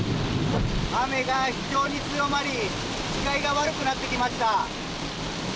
雨が非常に強まり、視界が悪くなってきました。